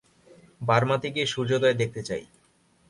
বার্মাতে গিয়ে সূর্যোদয় দেখতে চাই।